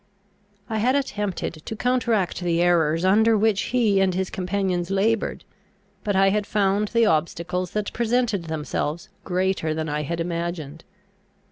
I had attempted to counteract the errors under which he and his companions laboured; but I had found the obstacles that presented themselves greater than I had imagined.